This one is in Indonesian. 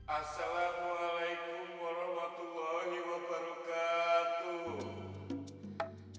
assalamualaikum warahmatullahi wabarakatuh